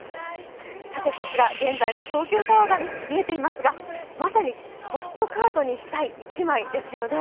こちら現在の東京タワーが見えていますが、まさにポストカードにしたい１枚ですよね。